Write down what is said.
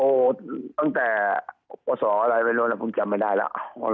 โอ้ตั้งแต่พสไปไหนก็ไม่น้องได้หลายปีแล้วครับ